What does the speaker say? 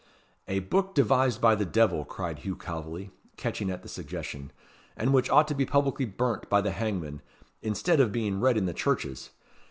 "A book devised by the devil," cried Hugh Calveley, catching at the suggestion; "and which ought to be publicly burnt by the hangman, instead of being read in the churches.